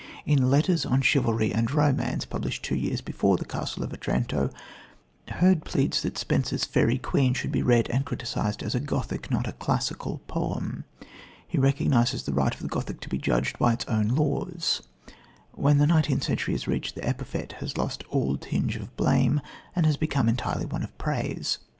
In Letters on Chivalry and Romance, published two years before The Castle of Otranto, Hurd pleads that Spenser's Faerie Queene should be read and criticised as a Gothic, not a classical, poem. He clearly recognises the right of the Gothic to be judged by laws of its own. When the nineteenth century is reached the epithet has lost all tinge of blame, and has become entirely one of praise.